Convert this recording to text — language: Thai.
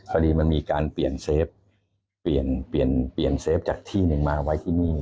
พอดีมันมีการเปลี่ยนเซฟจากที่นึงมาไว้ที่นี่